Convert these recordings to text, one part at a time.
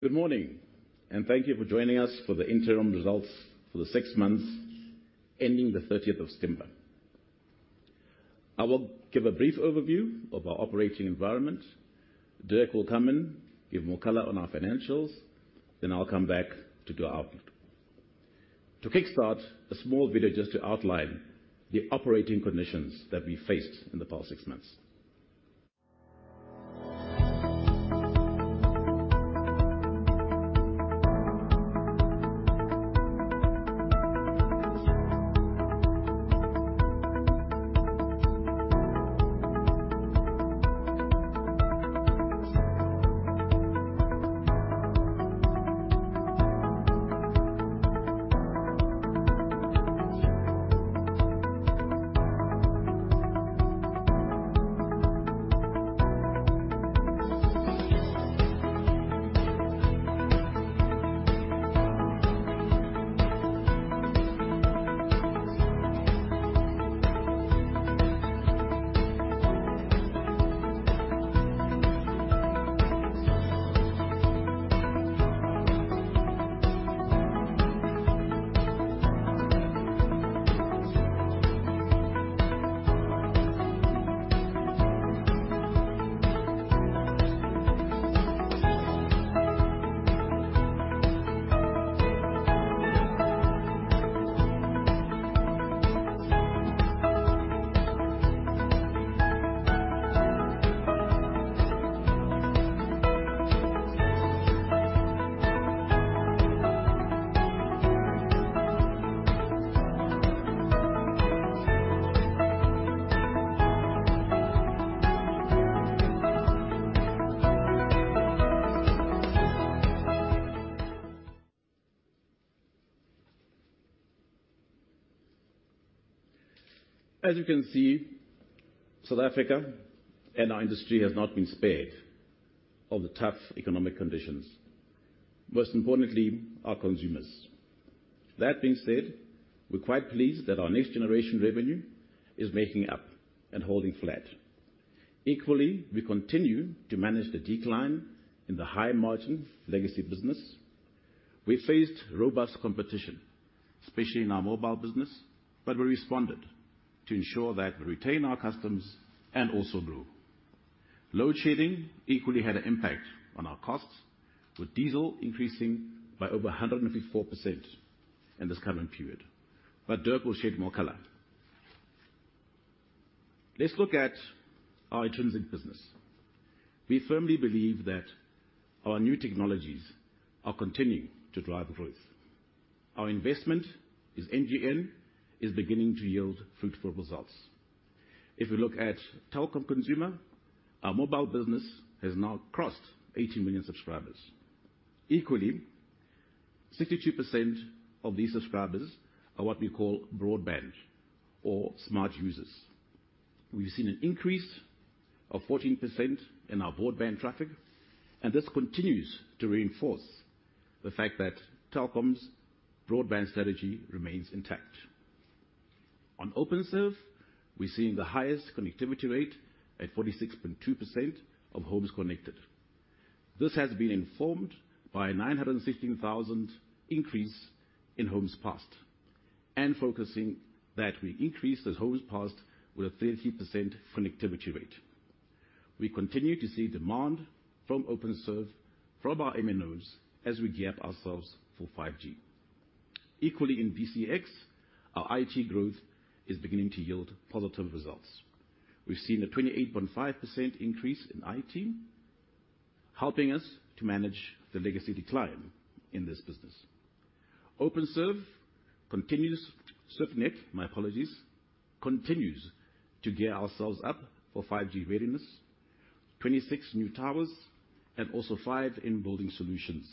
...Good morning, and thank you for joining us for the interim results for the six months ending the thirtieth of September. I will give a brief overview of our operating environment. Dirk will come in, give more color on our financials, then I'll come back to do our outlook. To kickstart, a small video just to outline the operating conditions that we faced in the past six months. As you can see, South Africa and our industry has not been spared of the tough economic conditions, most importantly, our consumers. That being said, we're quite pleased that our next generation revenue is making up and holding flat. Equally, we continue to manage the decline in the high margin legacy business. We faced robust competition, especially in our mobile business, but we responded to ensure that we retain our customers and also grow. Load shedding equally had an impact on our costs, with diesel increasing by over 154% in this current period. But Dirk will shed more color. Let's look at our intrinsic business. We firmly believe that our new technologies are continuing to drive growth. Our investment, as NGN, is beginning to yield fruitful results. If we look at Telkom Consumer, our mobile business has now crossed 80 million subscribers. Equally, 62% of these subscribers are what we call broadband or smart users. We've seen an increase of 14% in our broadband traffic, and this continues to reinforce the fact that Telkom's broadband strategy remains intact. On Openserve, we're seeing the highest connectivity rate at 46.2% of homes connected. This has been informed by a 916,000 increase in homes passed, and focusing that we increase those homes passed with a 30% connectivity rate. We continue to see demand from Openserve from our MNOs as we gear up ourselves for 5G. Equally, in BCX, our IT growth is beginning to yield positive results. We've seen a 28.5% increase in IT, helping us to manage the legacy decline in this business. Openserve continues... SwiftNet, my apologies, continues to gear ourselves up for 5G readiness, 26 new towers, and also five in-building solutions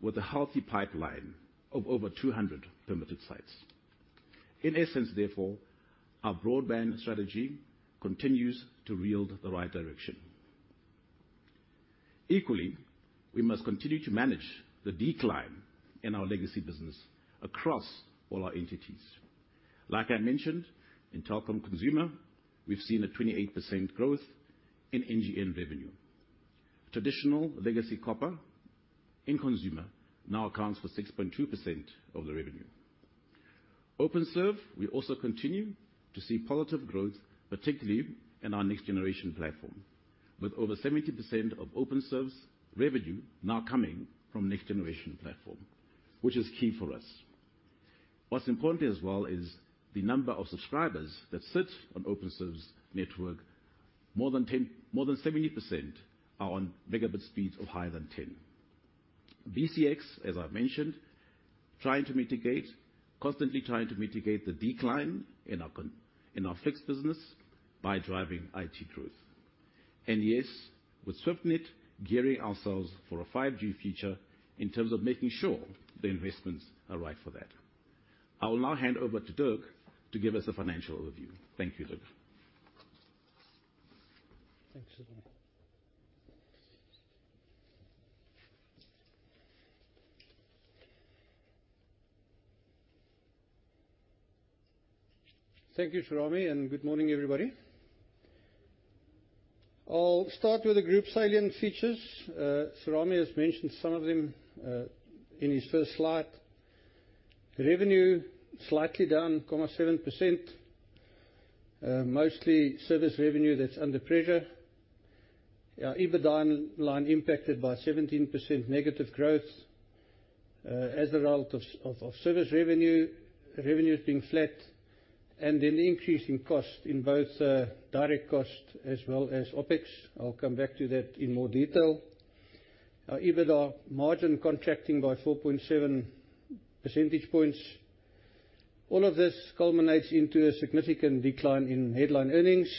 with a healthy pipeline of over 200 permitted sites. In essence, therefore, our broadband strategy continues to yield the right direction. Equally, we must continue to manage the decline in our legacy business across all our entities. Like I mentioned, in telecom consumer, we've seen a 28% growth in NGN revenue. Traditional legacy copper in consumer now accounts for 6.2% of the revenue. Openserve, we also continue to see positive growth, particularly in our next generation platform, with over 70% of Openserve's revenue now coming from next generation platform, which is key for us. What's important as well is the number of subscribers that sit on Openserve's network. More than 10, more than 70% are on megabit speeds of higher than 10. BCX, as I mentioned, trying to mitigate, constantly trying to mitigate the decline in our in our fixed business by driving IT growth. And yes, with SwiftNet, gearing ourselves for a 5G future in terms of making sure the investments are right for that. I will now hand over to Dirk to give us a financial overview. Thank you, Dirk. Thanks, Serame...Thank you, Serame, and good morning, everybody. I'll start with the group's salient features. Serame has mentioned some of them in his first slide. Revenue, slightly down 7%. Mostly service revenue that's under pressure. Our EBITDA line impacted by 17% negative growth as a result of service revenue. Revenue is being flat, and an increase in cost in both direct costs as well as OpEx. I'll come back to that in more detail. Our EBITDA margin contracting by 4.7 percentage points. All of this culminates into a significant decline in headline earnings.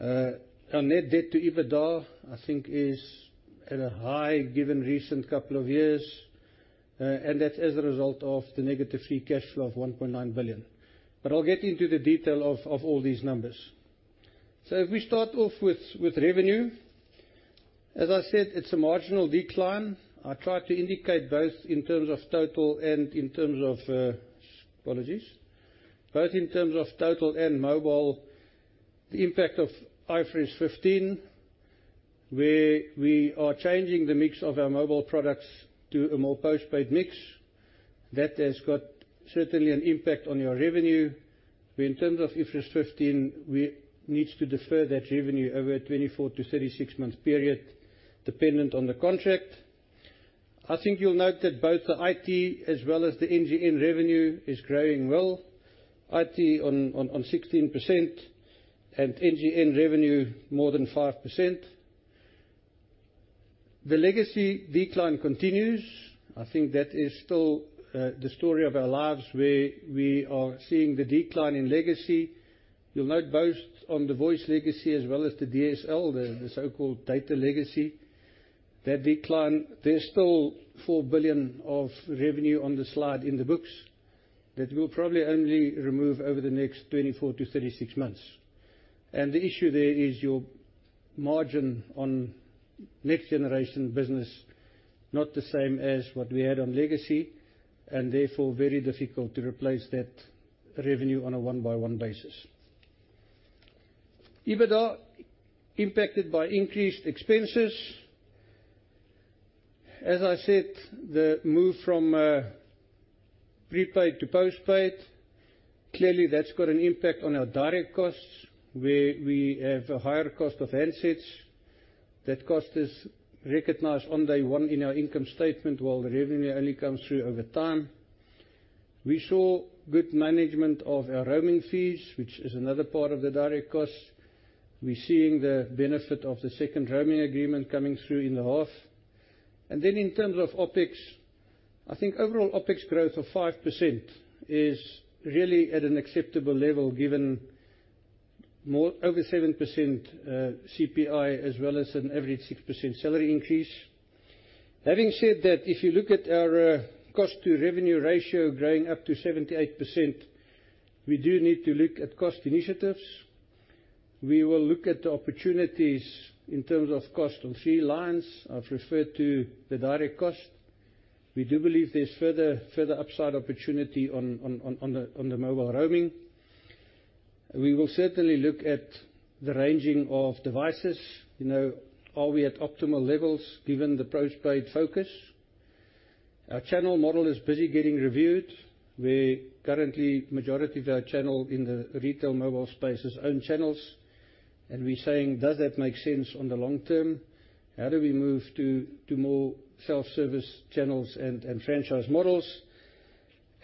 Our net debt to EBITDA, I think, is at a high, given recent couple of years, and that's as a result of the negative free cash flow of 1.9 billion. But I'll get into the detail of all these numbers. So if we start off with, with revenue, as I said, it's a marginal decline. I tried to indicate both in terms of total and in terms of, apologies. Both in terms of total and mobile, the impact of IFRS 15, where we are changing the mix of our mobile products to a more postpaid mix. That has got certainly an impact on your revenue. In terms of IFRS 15, we needs to defer that revenue over a 24- to 36-month period, dependent on the contract. I think you'll note that both the IT as well as the NGN revenue is growing well. IT on 16% and NGN revenue more than 5%. The legacy decline continues. I think that is still the story of our lives, where we are seeing the decline in legacy. You'll note both on the voice legacy as well as the DSL, the so-called data legacy, that decline. There's still 4 billion of revenue on the slide in the books that we'll probably only remove over the next 24-36 months. The issue there is your margin on next-generation business, not the same as what we had on legacy, and therefore, very difficult to replace that revenue on a one-by-one basis. EBITDA, impacted by increased expenses. As I said, the move from prepaid to postpaid, clearly, that's got an impact on our direct costs, where we have a higher cost of handsets. That cost is recognized on day one in our income statement, while the revenue only comes through over time. We saw good management of our roaming fees, which is another part of the direct cost. We're seeing the benefit of the second roaming agreement coming through in the half. Then in terms of OpEx, I think overall OpEx growth of 5% is really at an acceptable level, given more over 7%, CPI, as well as an average 6% salary increase. Having said that, if you look at our cost to revenue ratio growing up to 78%, we do need to look at cost initiatives. We will look at the opportunities in terms of cost on three lines. I've referred to the direct cost. We do believe there's further upside opportunity on the mobile roaming. We will certainly look at the ranging of devices. You know, are we at optimal levels, given the postpaid focus? Our channel model is busy getting reviewed, where currently majority of our channel in the retail mobile space is own channels, and we're saying: Does that make sense on the long term? How do we move to more self-service channels and franchise models?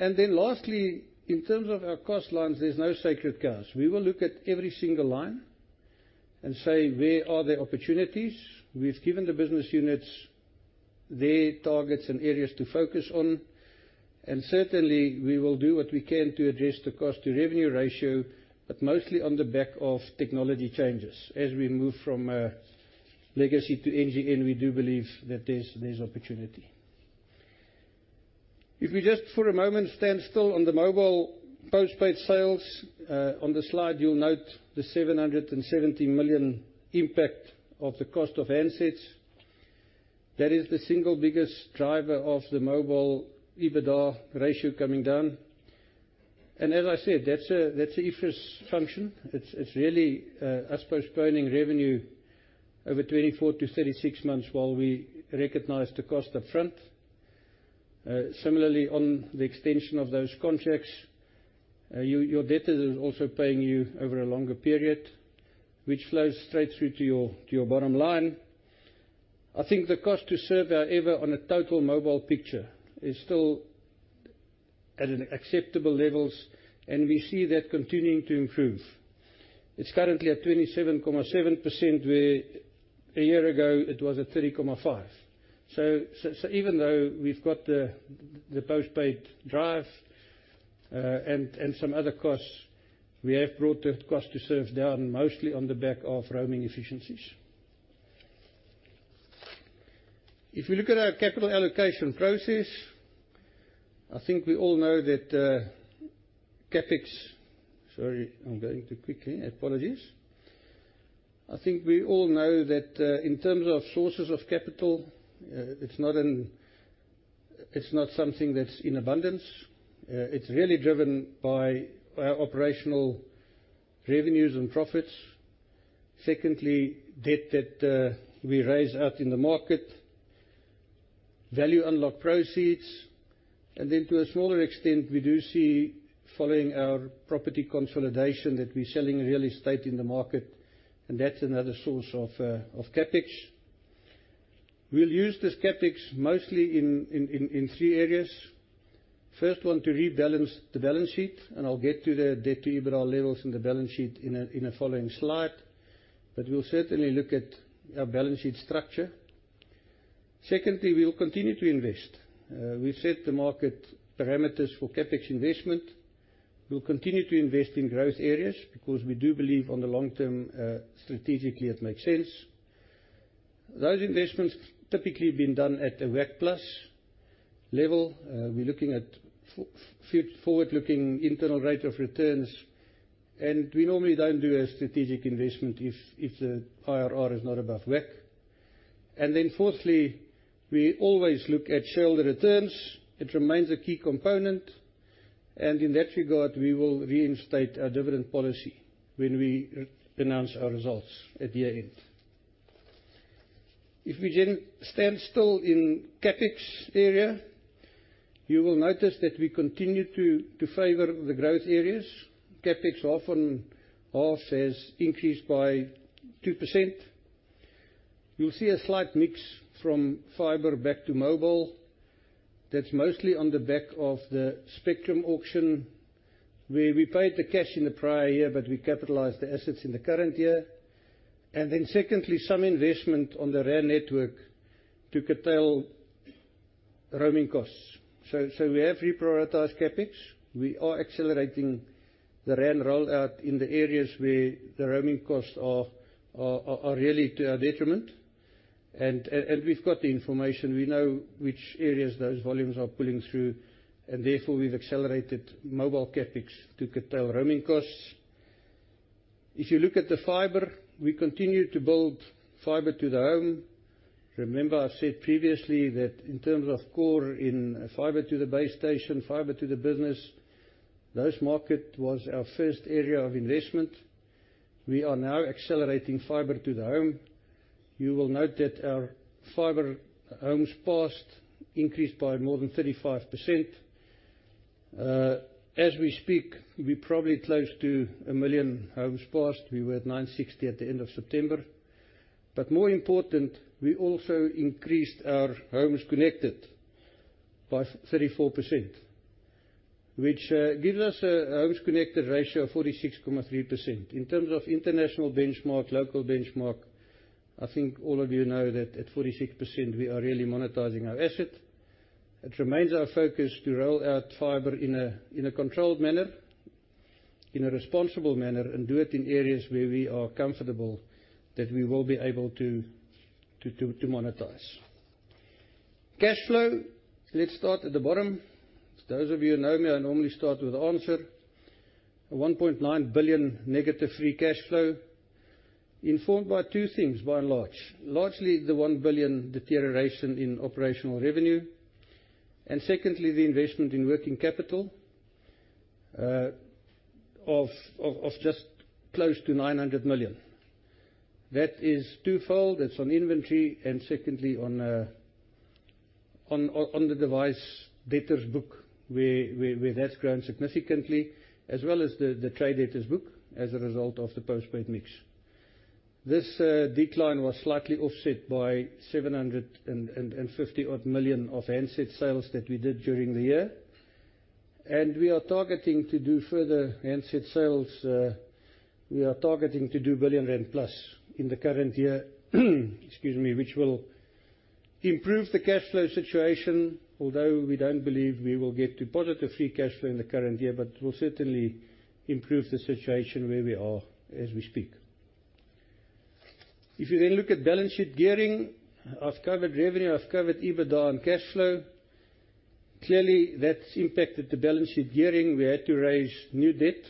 And then lastly, in terms of our cost lines, there's no sacred cows. We will look at every single line and say, "Where are there opportunities?" We've given the business units their targets and areas to focus on, and certainly, we will do what we can to address the cost to revenue ratio, but mostly on the back of technology changes. As we move from legacy to NGN, we do believe that there's opportunity. If we just, for a moment, stand still on the mobile postpaid sales, on the slide, you'll note the 770 million impact of the cost of handsets. That is the single biggest driver of the mobile EBITDA ratio coming down. And as I said, that's a, that's a IFRS function. It's, it's really, us postponing revenue over 24-36 months while we recognize the cost up front. Similarly, on the extension of those contracts, your, your debtors are also paying you over a longer period, which flows straight through to your, to your bottom line. I think the cost to serve, however, on a total mobile picture is still at an acceptable levels, and we see that continuing to improve. It's currently at 27.7%, where a year ago it was at 30.5. So, so even though we've got the postpaid drive and some other costs, we have brought the cost to serve down, mostly on the back of roaming efficiencies. If we look at our capital allocation process, I think we all know that CapEx... Sorry, I'm going too quickly. Apologies. I think we all know that in terms of sources of capital, it's not something that's in abundance. It's really driven by our operational revenues and profits. Secondly, debt that we raise out in the market, value unlock proceeds, and then to a smaller extent, we do see, following our property consolidation, that we're selling real estate in the market, and that's another source of CapEx. We'll use this CapEx mostly in three areas. First one, to rebalance the balance sheet, and I'll get to the debt-to-EBITDA levels in the balance sheet in a following slide. But we'll certainly look at our balance sheet structure. Secondly, we will continue to invest. We've set the market parameters for CapEx investment. We'll continue to invest in growth areas because we do believe, on the long term, strategically, it makes sense. Those investments typically been done at a WACC plus level. We're looking at forward-looking internal rate of returns, and we normally don't do a strategic investment if the IRR is not above WACC. And then fourthly, we always look at shareholder returns. It remains a key component, and in that regard, we will reinstate our dividend policy when we announce our results at year-end. If we then stand still in CapEx area, you will notice that we continue to favor the growth areas. CapEx half on half has increased by 2%. You'll see a slight mix from fiber back to mobile. That's mostly on the back of the spectrum auction, where we paid the cash in the prior year, but we capitalized the assets in the current year. And then secondly, some investment on the RAN network to curtail roaming costs. So we have reprioritized CapEx. We are accelerating the RAN rollout in the areas where the roaming costs are really to our detriment. And we've got the information. We know which areas those volumes are pulling through, and therefore, we've accelerated mobile CapEx to curtail roaming costs. If you look at the fiber, we continue to build fiber to the home. Remember, I've said previously that in terms of core, in fiber to the base station, fiber to the business, those market was our first area of investment. We are now accelerating fiber to the home. You will note that our fiber homes passed increased by more than 35%. As we speak, we're probably close to 1 million homes passed. We were at 960 at the end of September. But more important, we also increased our homes connected by 34%, which gives us a homes connected ratio of 46.3%. In terms of international benchmark, local benchmark, I think all of you know that at 46%, we are really monetizing our asset. It remains our focus to roll out fiber in a controlled manner, in a responsible manner, and do it in areas where we are comfortable that we will be able to monetize. Cash flow, let's start at the bottom. Those of you who know me, I normally start with answer. A 1.9 billion negative free cash flow, informed by two things, by and large. Largely, the 1 billion deterioration in operational revenue, and secondly, the investment in working capital of just close to 900 million. That is twofold. That's on inventory, and secondly, on the device debtors book, where that's grown significantly, as well as the trade debtors book as a result of the post-paid mix. This decline was slightly offset by 750-odd million of handset sales that we did during the year. We are targeting to do further handset sales. We are targeting to do 1 billion rand plus in the current year, excuse me, which will improve the cash flow situation, although we don't believe we will get to positive free cash flow in the current year, but it will certainly improve the situation where we are as we speak. If you then look at balance sheet gearing, I've covered revenue, I've covered EBITDA and cash flow. Clearly, that's impacted the balance sheet gearing. We had to raise new debt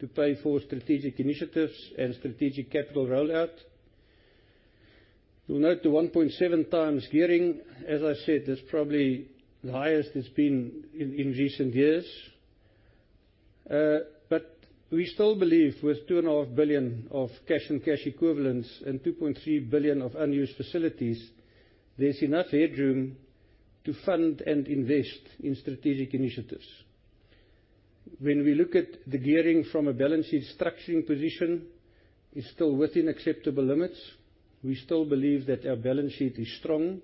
to pay for strategic initiatives and strategic capital rollout. You'll note the 1.7 times gearing, as I said, is probably the highest it's been in recent years. But we still believe with 2.5 billion of cash and cash equivalents and 2.3 billion of unused facilities, there's enough headroom to fund and invest in strategic initiatives. When we look at the gearing from a balance sheet structuring position, it's still within acceptable limits. We still believe that our balance sheet is strong,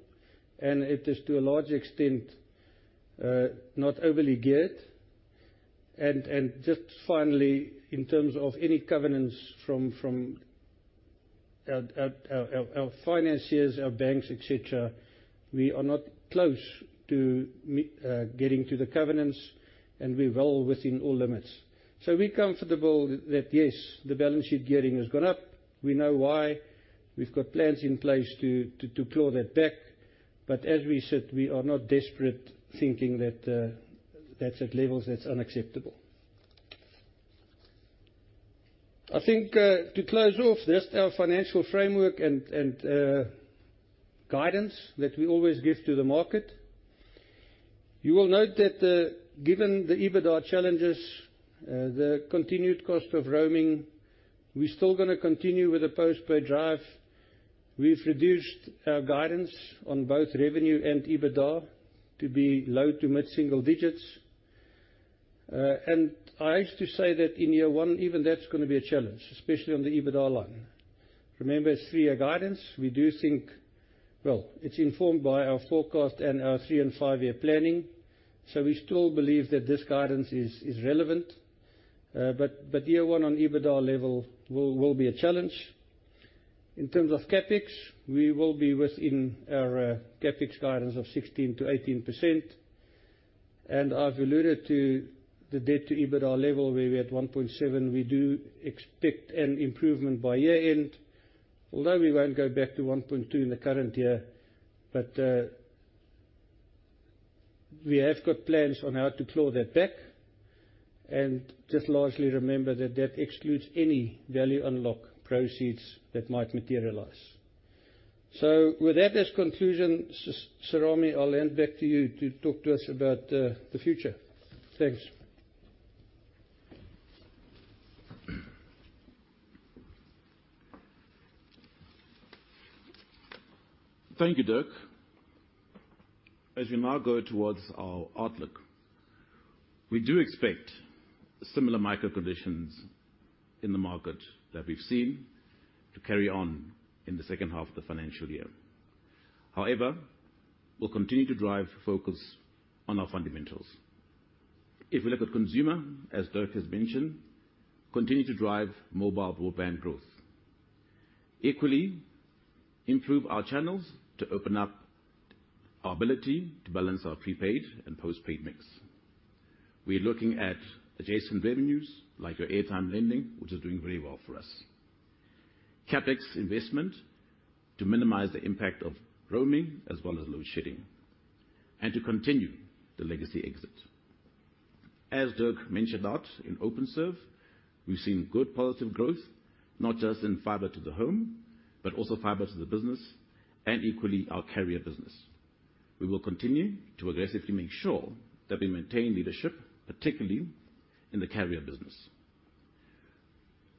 and it is, to a large extent, not overly geared. And just finally, in terms of any covenants from our financiers, our banks, et cetera, we are not close to meeting getting to the covenants, and we're well within all limits. So we're comfortable that, yes, the balance sheet gearing has gone up. We know why. We've got plans in place to claw that back. But as we said, we are not desperate, thinking that that's at levels that's unacceptable. I think, to close off, that's our financial framework and guidance that we always give to the market. You will note that, given the EBITDA challenges, the continued cost of roaming, we're still gonna continue with the post-paid drive. We've reduced our guidance on both revenue and EBITDA to be low to mid-single digits. And I hate to say that in year one, even that's gonna be a challenge, especially on the EBITDA line. Remember, it's three-year guidance. We do think. Well, it's informed by our forecast and our three- and five-year planning, so we still believe that this guidance is relevant. But year one on EBITDA level will be a challenge. In terms of CapEx, we will be within our CapEx guidance of 16%-18%, and I've alluded to the debt to EBITDA level, where we're at 1.7. We do expect an improvement by year-end, although we won't go back to 1.2 in the current year, but we have got plans on how to claw that back. And just largely remember that that excludes any value unlock proceeds that might materialize. So with that as conclusion, Serame, I'll hand back to you to talk to us about the future. Thanks. Thank you, Dirk. As we now go towards our outlook, we do expect similar macro conditions in the market that we've seen to carry on in the second half of the financial year. However, we'll continue to drive focus on our fundamentals. If we look at consumer, as Dirk has mentioned, continue to drive mobile broadband growth. Equally, improve our channels to open up our ability to balance our prepaid and post-paid mix. We are looking at adjacent revenues, like our airtime lending, which is doing very well for us. CapEx investment to minimize the impact of roaming, as well as load shedding, and to continue the legacy exit. As Dirk mentioned out, in Openserve, we've seen good positive growth, not just in fiber to the home, but also fiber to the business and equally, our carrier business. We will continue to aggressively make sure that we maintain leadership, particularly in the carrier business.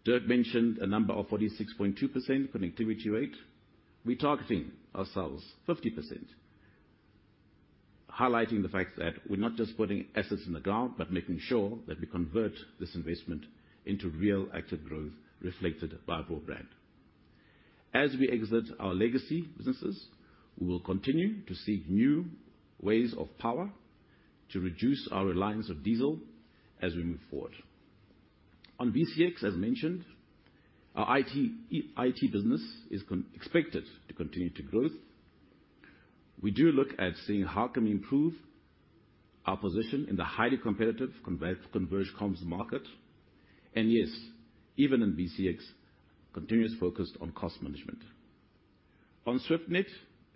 Dirk mentioned a number of 46.2% connectivity rate. We're targeting ourselves 50%, highlighting the fact that we're not just putting assets in the ground, but making sure that we convert this investment into real active growth reflected by broadband. As we exit our legacy businesses, we will continue to seek new ways of power to reduce our reliance on diesel as we move forward. On BCX, as mentioned, our IT business is expected to continue to grow. We do look at seeing how can we improve our position in the highly competitive converged comms market, and yes, even in BCX, continuous focus on cost management. On SwiftNet,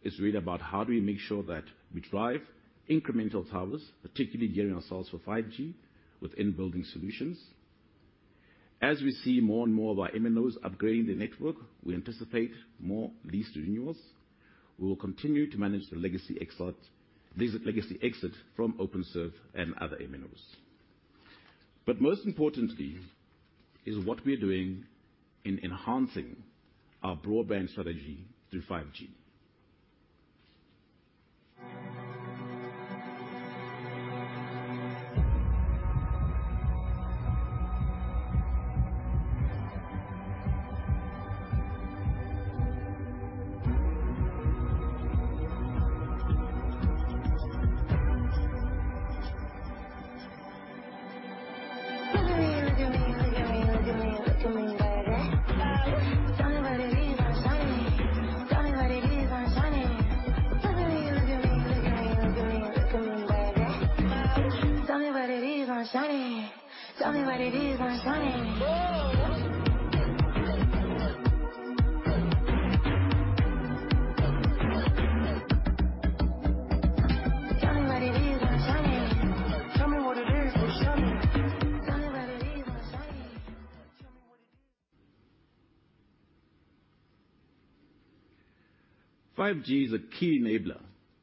it's really about how do we make sure that we drive incremental towers, particularly gearing ourselves for 5G with in-building solutions. As we see more and more of our MNOs upgrading the network, we anticipate more lease renewals. We will continue to manage the legacy exit, this legacy exit from OpenServe and other MNOs. But most importantly, is what we are doing in enhancing our broadband strategy through 5G. 5G is a key enabler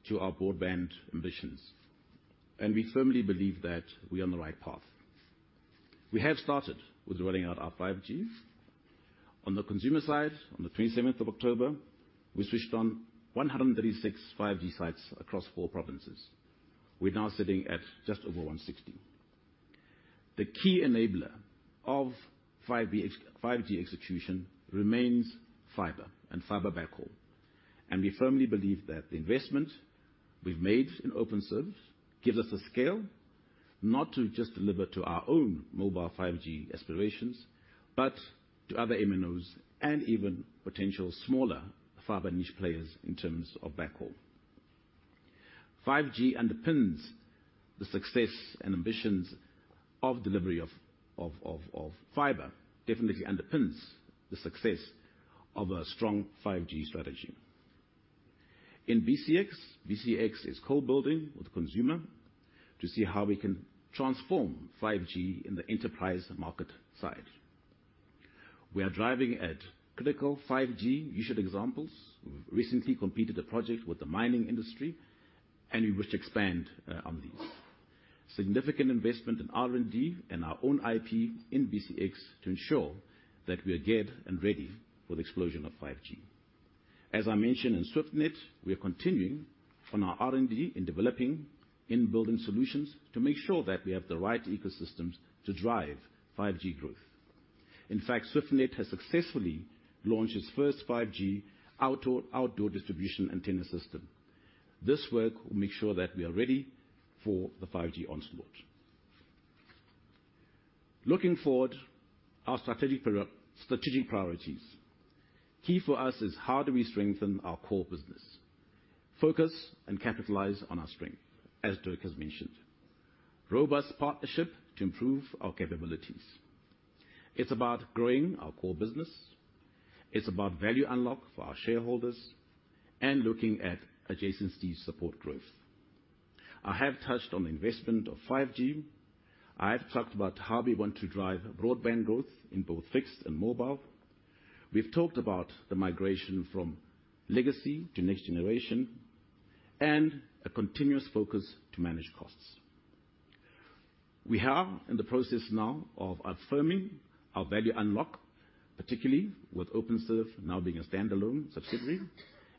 to our broadband ambitions, and we firmly believe that we are on the right path. We have started with rolling out our 5Gs. On the consumer side, on the 27th of October, we switched on 136 5G sites across four provinces. We're now sitting at just over 160. The key enabler of 5G execution remains fiber and fiber backhaul, and we firmly believe that the investment we've made in Openserve gives us the scale, not to just deliver to our own mobile 5G aspirations, but to other MNOs and even potential smaller fiber niche players in terms of backhaul. 5G underpins the success and ambitions of delivery of fiber, definitely underpins the success of a strong 5G strategy. In BCX, BCX is co-building with consumer to see how we can transform 5G in the enterprise market side. We are driving at critical 5G usage examples. We've recently completed a project with the mining industry, and we wish to expand on these. Significant investment in R&D and our own IP in BCX to ensure that we are geared and ready for the explosion of 5G. As I mentioned in SwiftNet, we are continuing on our R&D in developing in-building solutions to make sure that we have the right ecosystems to drive 5G growth. In fact, SwiftNet has successfully launched its first 5G outdoor distribution antenna system. This work will make sure that we are ready for the 5G onslaught. Looking forward, our strategic priorities. Key for us is how do we strengthen our core business, focus and capitalize on our strength, as Dirk has mentioned. Robust partnership to improve our capabilities. It's about growing our core business, it's about value unlock for our shareholders, and looking at adjacencies to support growth. I have touched on investment of 5G. I have talked about how we want to drive broadband growth in both fixed and mobile. We've talked about the migration from legacy to next generation and a continuous focus to manage costs. We are in the process now of affirming our value unlock, particularly with Openserve now being a standalone subsidiary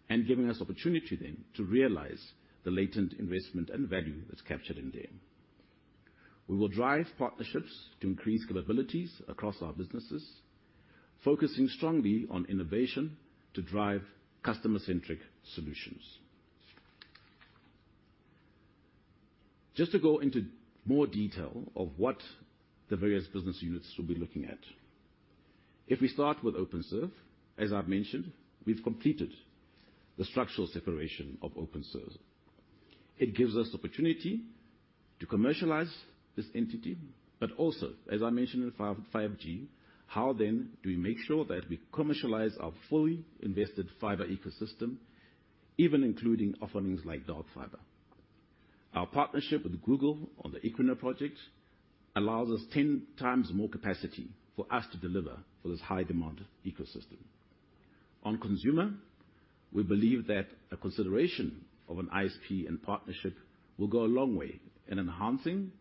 and giving us opportunity then to realize the latent investment and value that's captured in there. We will drive partnerships to increase capabilities across our businesses, focusing strongly on innovation to drive customer-centric solutions. Just to go into more detail of what the various business units will be looking at. If we start with Openserve, as I've mentioned, we've completed the structural separation of Openserve. It gives us opportunity to commercialize this entity, but also, as I mentioned, in 5G, how then do we make sure that we commercialize our fully invested fiber ecosystem, even including offerings like dark fiber? Our partnership with Google on the Equiano project allows us 10 times more capacity for us to deliver for this high-demand ecosystem. On consumer, we believe that a consideration of an ISP and partnership will go a long way in enhancing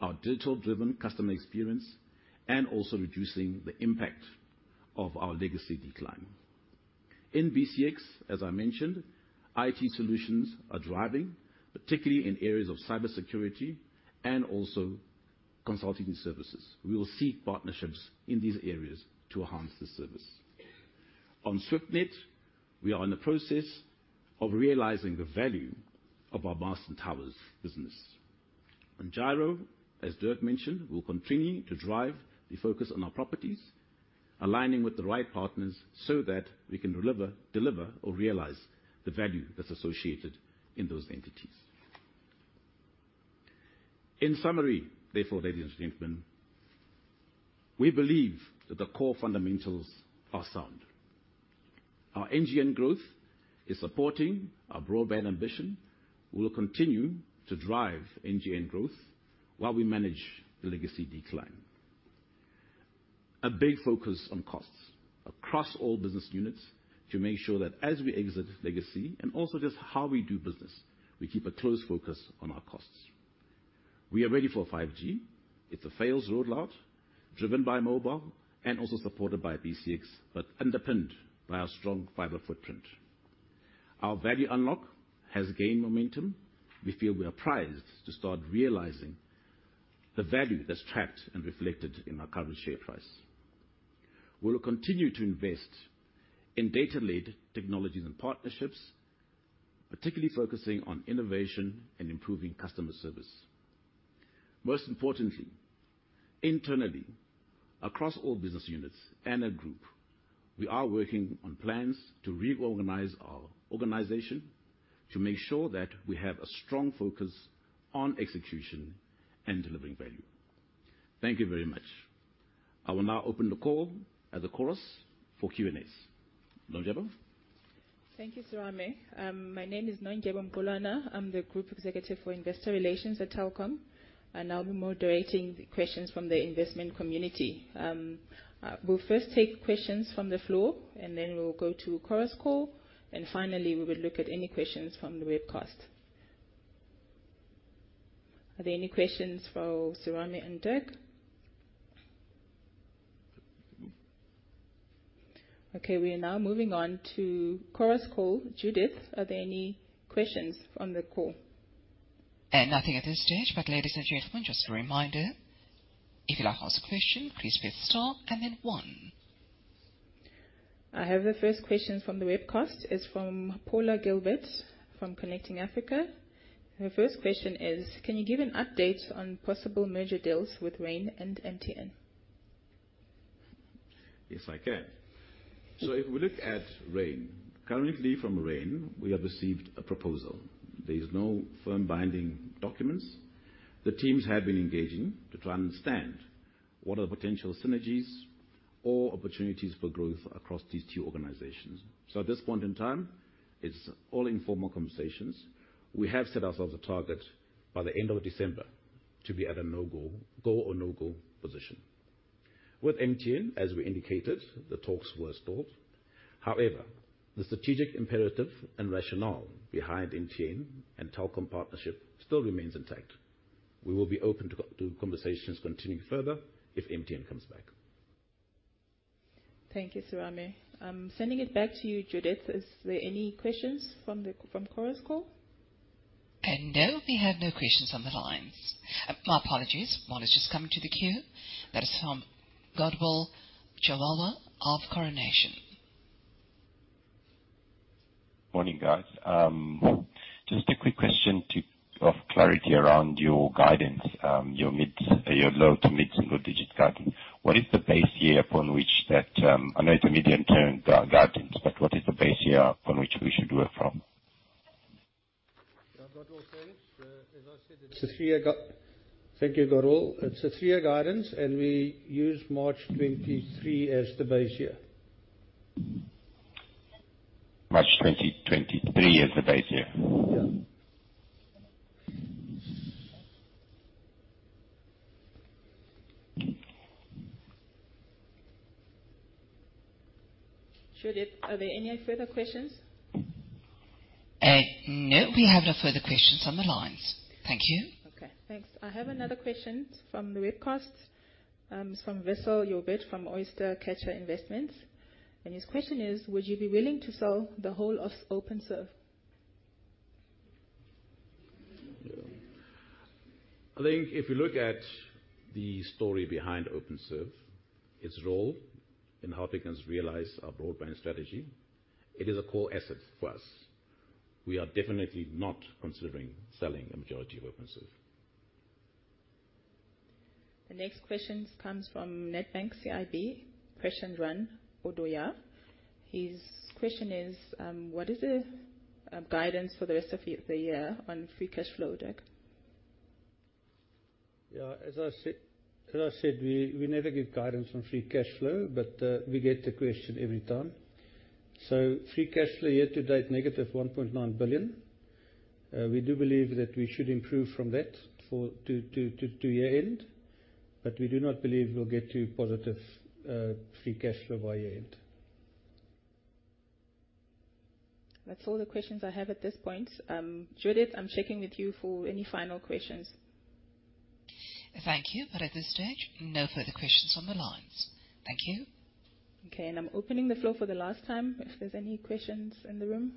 our digital-driven customer experience and also reducing the impact of our legacy decline. In BCX, as I mentioned, IT solutions are driving, particularly in areas of cybersecurity and also consulting services. We will seek partnerships in these areas to enhance the service. On SwiftNet, we are in the process of realizing the value of our masts and towers business. On Gyro, as Dirk mentioned, we'll continue to drive the focus on our properties, aligning with the right partners so that we can deliver or realize the value that's associated in those entities. In summary, therefore, ladies and gentlemen, we believe that the core fundamentals are sound. Our NGN growth is supporting our broadband ambition. We will continue to drive NGN growth while we manage the legacy decline. A big focus on costs across all business units to make sure that as we exit legacy and also just how we do business, we keep a close focus on our costs. We are ready for 5G. It's a phased rollout, driven by mobile and also supported by BCX, but underpinned by our strong fiber footprint. Our value unlock has gained momentum. We feel we are poised to start realizing the value that's trapped and reflected in our current share price. We will continue to invest in data-led technologies and partnerships, particularly focusing on innovation and improving customer service. Most importantly, internally, across all business units and our group, we are working on plans to reorganize our organization to make sure that we have a strong focus on execution and delivering value. Thank you very much. I will now open the call to Chorus Call for Q&As. Nondyebo? Thank you, Serame. My name is Nondyebo Mqulwana. I'm the Group Executive for Investor Relations at Telkom, and I'll be moderating the questions from the investment community. We'll first take questions from the floor, and then we'll go to Chorus Call, and finally, we will look at any questions from the webcast. Are there any questions for Serame and Dirk? Okay, we are now moving on to Chorus Call. Judith, are there any questions from the call? Nothing at this stage, but ladies and gentlemen, just a reminder, if you'd like to ask a question, please press star and then one. I have the first question from the webcast. It's from Paula Gilbert, from Connecting Africa. Her first question is: Can you give an update on possible merger deals with Rain and MTN? Yes, I can. So if we look at Rain, currently from Rain, we have received a proposal. There is no firm binding documents. The teams have been engaging to try and understand what are the potential synergies, all opportunities for growth across these two organizations. So at this point in time, it's all informal conversations. We have set ourselves a target by the end of December to be at a go/no-go position. With MTN, as we indicated, the talks were stalled. However, the strategic imperative and rationale behind MTN and Telkom partnership still remains intact. We will be open to, to conversations continuing further if MTN comes back. Thank you, Serame. I'm sending it back to you, Judith. Is there any questions from Chorus Call? No, we have no questions on the lines. My apologies. One is just coming to the queue. That is from Godwill Chahwahwa of Coronation. Morning, guys. Just a quick question for clarity around your guidance, your low to mid single digit guidance. What is the base year upon which that, I know it's a medium-term guidance, but what is the base year upon which we should work from? Yeah, Godwill, thanks. As I said, it's a three-year guidance. Thank you, Godwill. It's a three-year guidance, and we use March 2023 as the base year. March 2023 as the base year? Yeah. Judith, are there any further questions? No, we have no further questions on the lines. Thank you. Okay, thanks. I have another question from the webcast. It's from Wessel Joubert from Oystercatcher Investments, and his question is: Would you be willing to sell the whole of Openserve? I think if you look at the story behind Openserve, its role in how we can realize our broadband strategy, it is a core asset for us. We are definitely not considering selling a majority of Openserve. The next question comes from Nedbank CIB, Preshendran Odayar. His question is, what is the guidance for the rest of the year on free cash flow, Dirk? Yeah, as I said, we never give guidance on free cash flow, but we get the question every time. So free cash flow, year to date, -1.9 billion. We do believe that we should improve from that to year-end, but we do not believe we'll get to positive free cash flow by year-end. That's all the questions I have at this point. Judith, I'm checking with you for any final questions. Thank you. At this stage, no further questions on the lines. Thank you. Okay, I'm opening the floor for the last time, if there's any questions in the room.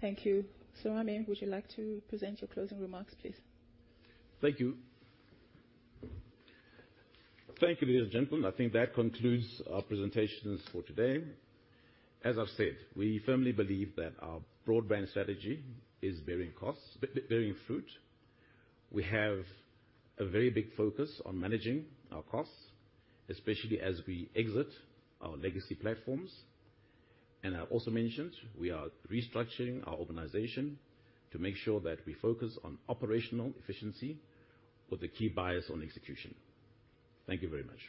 Thank you. Serame, would you like to present your closing remarks, please? Thank you. Thank you, ladies and gentlemen. I think that concludes our presentations for today. As I've said, we firmly believe that our broadband strategy is bearing fruit. We have a very big focus on managing our costs, especially as we exit our legacy platforms, and I also mentioned we are restructuring our organization to make sure that we focus on operational efficiency with a key bias on execution. Thank you very much.